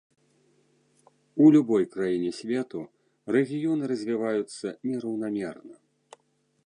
У любой краіне свету рэгіёны развіваюцца нераўнамерна.